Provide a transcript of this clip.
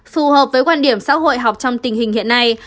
phù hợp với quan điểm xã hội học trong tình hình hiện nay